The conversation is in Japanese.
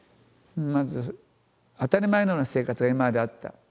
まず当たり前のような生活が今まであった。